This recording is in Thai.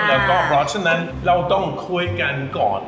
แล้วก็เพราะฉะนั้นเราต้องคุยกันก่อน